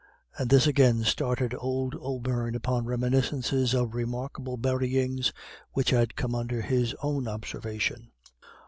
And this again started old O'Beirne upon reminiscences of remarkable buryings which had come under his own observation.